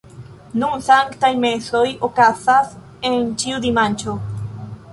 Nun sanktaj mesoj okazas en ĉiu dimanĉo.